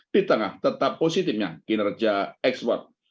di tengah tetap positifnya kinerja ekspor